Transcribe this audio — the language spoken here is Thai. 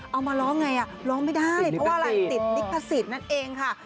เอามาร้องไงร้องไม่ได้เพราะว่าอะไรติดลิขสิทธิ์นั่นเองค่ะ